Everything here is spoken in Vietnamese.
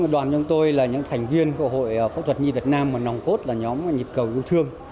đoàn chúng tôi là những thành viên của hội phẫu thuật nhi việt nam mà nòng cốt là nhóm nhịp cầu yêu thương